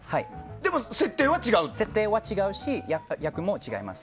でも設定は違うし役も違います。